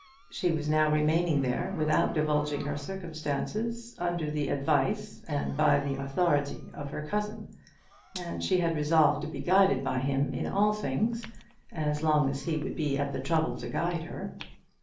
She was now remaining there without divulging her circumstances, under the advice and by the authority of her cousin; and she had resolved to be guided by him in all things as long as he would be at the trouble to guide her.